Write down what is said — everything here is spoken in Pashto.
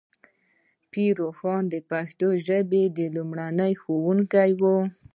پیر روښان د پښتو ژبې لومړنی ښوونکی و.